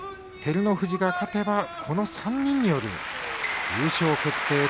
照ノ富士が勝てばこの３人による優勝決定